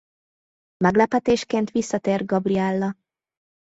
Meglepetésként visszatér Gabriella.